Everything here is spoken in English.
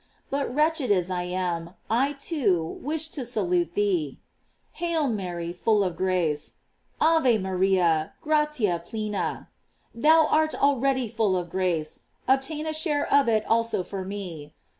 But wretched as I am, I, GLORIES OF MABY. 435 wish to salute thee: Hail Mary, full of grace: "Ave Maria, gratia plena." Tbou art already full of grace; obtain a share of it also for me.